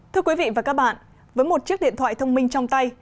thưa quý vị và các bạn với một chiếc điện thoại thông minh trong tay